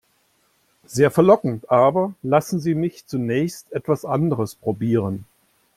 Sehr verlockend, aber lassen Sie mich zunächst etwas anderes probieren.